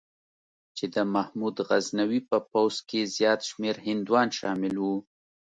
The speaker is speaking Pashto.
چې د محمود غزنوي په پوځ کې زیات شمېر هندوان شامل وو.